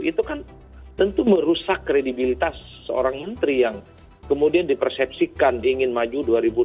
itu kan tentu merusak kredibilitas seorang menteri yang kemudian dipersepsikan ingin maju dua ribu dua puluh